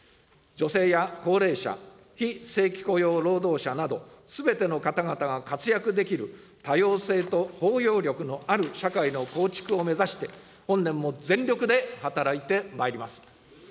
女性や高齢者、非正規雇用労働者など、すべての方々が活躍できる、多様性と包容力のある社会の構築を目指して、本年も全力で働いてまいります。